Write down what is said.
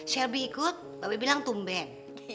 selvi ikut mbak be bilang tumben